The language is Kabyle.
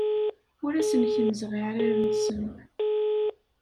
Ur asen-kemmzeɣ iɛrar-nsen.